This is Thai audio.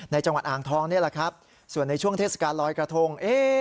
จังหวัดอ่างทองนี่แหละครับส่วนในช่วงเทศกาลลอยกระทง